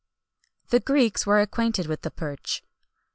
The Greeks were acquainted with the perch.